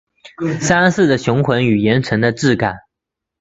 山势的雄浑与岩层的质感